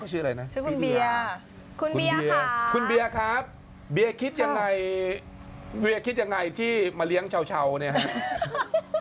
ชื่อคุณเบียร์ค่ะคุณเบียร์ครับเบียร์คิดยังไงที่มาเลี้ยงเฉาเนี่ยครับ